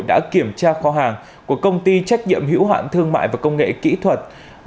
đã kiểm tra kho hàng của công ty trách nhiệm hữu hạn thương mại và công nghệ kỹ thuật